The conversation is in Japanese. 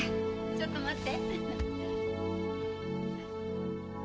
ちょっと待って。